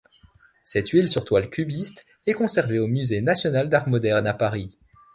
Cette huile sur toile cubiste est conservée au musée national d'Art moderne, à Paris.